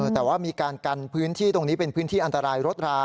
แต่ว่ามีการกันพื้นที่ตรงนี้เป็นพื้นที่อันตรายรถรา